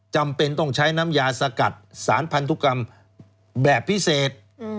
จำเป็นต้องใช้น้ำยาสกัดสารพันธุกรรมแบบพิเศษ